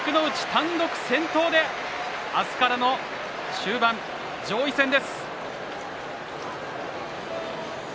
単独先頭で明日からの終盤上位戦です。